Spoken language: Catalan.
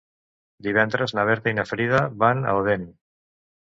Divendres na Berta i na Frida van a Odèn.